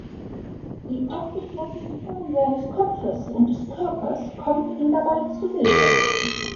Die abgeplattete Form seines Kopfes und des Körpers kommt ihm dabei zu Hilfe.